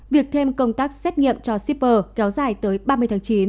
việc thêm công tác xét nghiệm cho shipper kéo dài tới ba mươi tháng chín